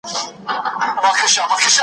پټ یې غوږ ته دی راوړی د نسیم پر وزر زېری .